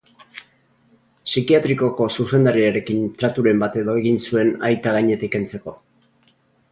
Psikiatrikoko zuzendariarekin traturen bat edo egin zuen aita gainetik kentzeko.